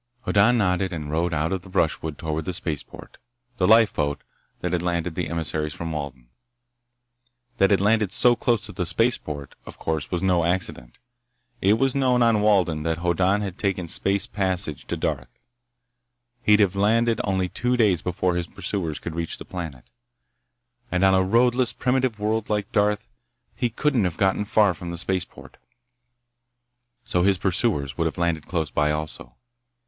Hoddan nodded and rode out of the brushwood toward the spaceboat—the lifeboat—that had landed the emissaries from Walden. That it landed so close to the spaceport, of course, was no accident. It was known on Walden that Hoddan had taken space passage to Darth. He'd have landed only two days before his pursuers could reach the planet. And on a roadless, primitive world like Darth he couldn't have gotten far from the spaceport. So his pursuers would have landed close by, also.